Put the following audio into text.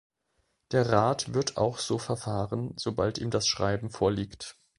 Der Rat wird auch so verfahren, sobald ihm das Schreiben vorliegt.